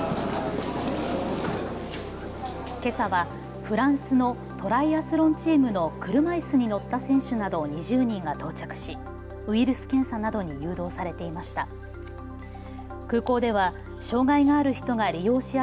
けさはフランスのトライアスロンチームの車いすに乗った選手など２０人が到着しウイルス検査などに誘導されていました。